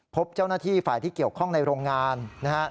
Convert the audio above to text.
พบเจ้าหน้าที่ฝ่ายที่เกี่ยวข้องในโรงงานนะฮะ